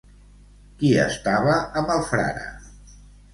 Qui estava amb el frare?